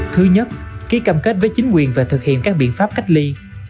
thứ nhất ký cam kết với chính quyền về thực hiện các biện pháp cách ly